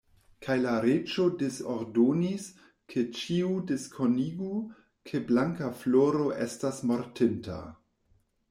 Kaj la reĝo disordonis, ke ĉiu diskonigu, ke Blankafloro estas mortinta.